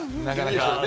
なかなか。